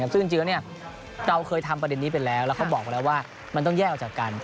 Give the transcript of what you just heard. ซึ่งจริงแล้วเราเคยทำประเด็นนี้ไปแล้วแล้วเขาบอกแล้วว่ามันต้องแยกออกจากกัน